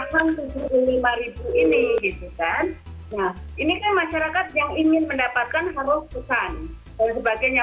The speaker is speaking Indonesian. jadi kalau misalnya misalnya misalnya uang baru itu rp tujuh puluh lima ini gitu kan nah ini kan masyarakat yang ingin mendapatkan harus pesan dan sebagainya